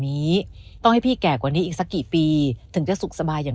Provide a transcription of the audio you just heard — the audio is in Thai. นี้ต้องให้พี่แก่กว่านี้อีกสักกี่ปีถึงจะสุขสบายอย่าง